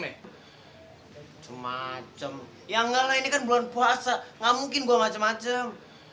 macam ya enggak lah ini kan bulan puasa gak mungkin gue macem macem